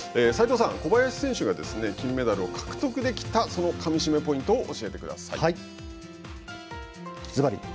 齋藤さん、小林選手が金メダルを獲得できたそのかみしめポイントを教えてください。